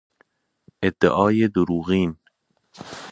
ادعای دروغین